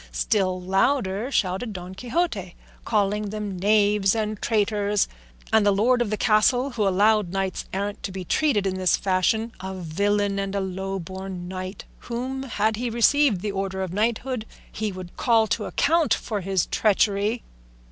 Still louder shouted Don Quixote, calling them knaves and traitors, and the lord of the castle, who allowed knights errant to be treated in this fashion, a villain and a low born knight whom, had he received the order of knighthood, he would call to account for his treachery.